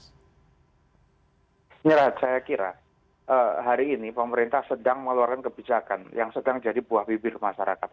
saya kira hari ini pemerintah sedang mengeluarkan kebijakan yang sedang jadi buah bibir masyarakat